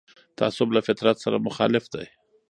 تعصب له فطرت سره مخالف دی